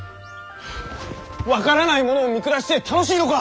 分からない者を見下して楽しいのか！？